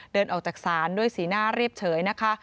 เดินออกจากศาลด้วยสีหน้าเรียบเฉยนะคะ